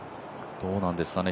どうなんですかね。